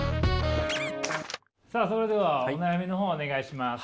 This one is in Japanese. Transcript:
さあそれではお悩みの方お願いします。